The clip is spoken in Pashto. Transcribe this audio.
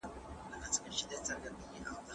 که شمال تېز شي پاڼه به ونه لړزوي.